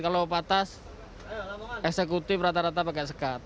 kalau patas eksekutif rata rata pakai sekat